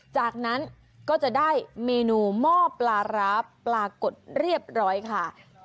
จากนั้นก็จะได้เมนูหม้อปลาร้าปลากดเรียบร้อยค่ะ